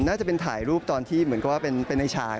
น่าจะเป็นถ่ายรูปตอนที่เหมือนกับว่าเป็นในฉาย